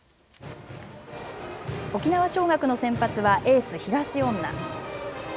沖縄尚学の先発はエース・東恩納。